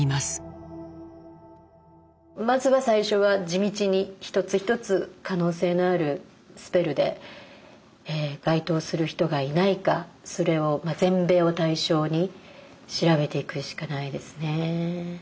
まずは最初は地道に一つ一つ可能性のあるスペルで該当する人がいないかそれをまあ全米を対象に調べていくしかないですね。